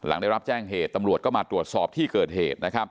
หลังได้รับแจ้งเหตุตำรวจก็มาตรวจสอบที่เกิดเหตุนะครับ